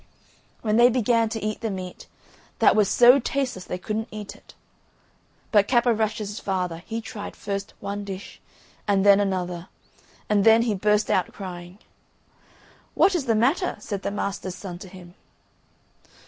When they began to eat the meat, that was so tasteless they couldn't eat it. But Cap o' Rushes' father he tried first one dish and then another, and then he burst out crying. "What is the matter?" said the master's son to him.